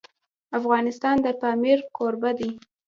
افغانستان د پامیر کوربه دی.